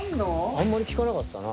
あんまり聞かなかったな。